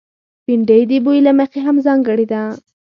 بېنډۍ د بوي له مخې هم ځانګړې ده